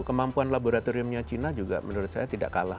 kemampuan laboratoriumnya cina juga menurut saya tidak kalah